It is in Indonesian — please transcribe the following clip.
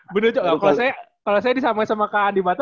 bener kalau saya disamai sama kak andi mata